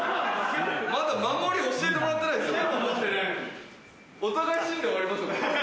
まだ守りを教えてもらってないですよ。